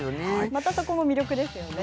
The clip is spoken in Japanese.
またそこも魅力ですよね。